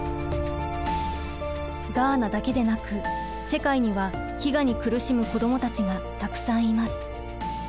ガーナだけでなく世界には飢餓に苦しむ子供たちがたくさんいます。